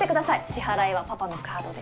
支払いはパパのカードで。